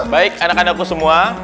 baik anak anakku semua